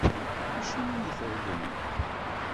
Acimi i yi-treggmeḍ?